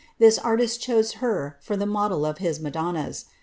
This artist chose her for the model of hit Madonnas.